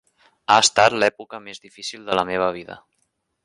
Ha estat l'època més difícil de la meva vida.